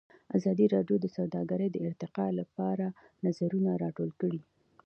ازادي راډیو د سوداګري د ارتقا لپاره نظرونه راټول کړي.